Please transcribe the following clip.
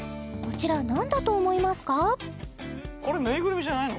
こちら何だと思いますか？